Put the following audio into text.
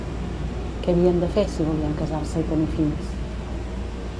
Què havien de fer, si volien casar-se i tenir fills?